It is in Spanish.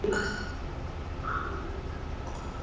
En Mongolia, el río recibe el nombre de "Shishjid-Gol".